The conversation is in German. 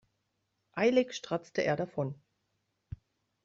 Eilig stratzte er davon.